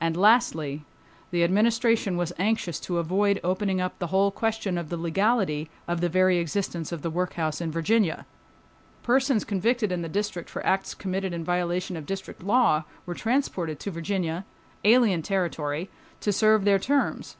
And lastly, the Administration was anxious to avoid opening up the whole question of the legality of the very existence of the workhouse in Virginia. Persons convicted in the District for acts committed in violation of District law were transported to Virginia—alien territory—to serve their terms.